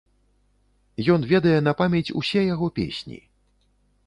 Ён ведае на памяць усе яго песні.